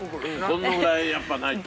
このぐらいやっぱないと。